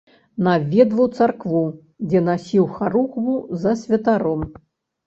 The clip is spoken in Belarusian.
Наведваў царкву, дзе насіў харугву за святаром.